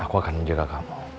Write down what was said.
aku akan menjaga kamu